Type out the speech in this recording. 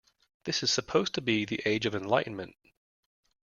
This is supposed to be the age of enlightenment.